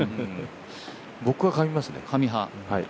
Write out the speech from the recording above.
僕はかみますね。